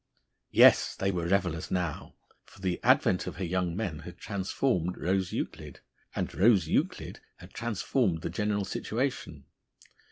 Yes, they were revellers now! For the advent of her young men had transformed Rose Euclid, and Rose Euclid had transformed the general situation.